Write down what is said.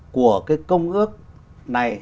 của cái công ước này